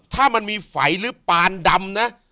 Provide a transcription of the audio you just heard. ถ้ามันมีไฟหรือปานดำนะ